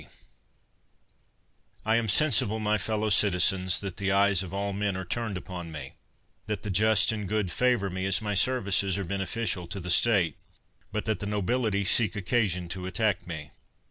I AM sensible, my fellow citizens, that the eyes of all men are turned upon me; that the just and good favor me, as my services are beneficial to the state, but that the nobility seek occasion to attack me.